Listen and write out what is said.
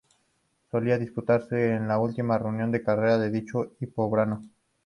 Solía disputarse en la última reunión de carreras de dicho hipódromo.